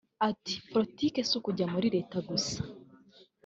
Ati “Politike si ukujya muri Leta gusa